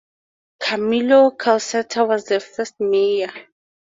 Camilo Calceta was the first mayor.